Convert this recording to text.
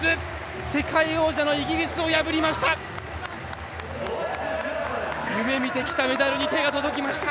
世界王者のイギリスを破りました。